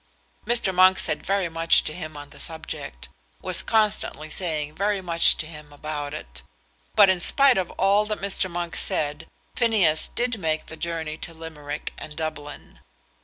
Mr. Monk said very much to him on the subject, was constantly saying very much to him about it; but in spite of all that Mr. Monk said, Phineas did make the journey to Limerick and Dublin.